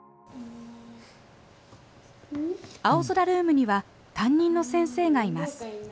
あおぞらルームには担任の先生がいます。